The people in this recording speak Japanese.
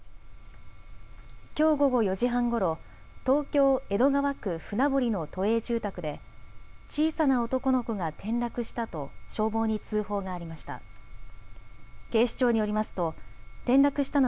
きょう午後４時半ごろ東京江戸川区船堀の都営住宅で小さな男の子が転落したと消防に通報がありました。